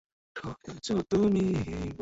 Joburg ঘটনার অনেকদিন পর দেখা হলো।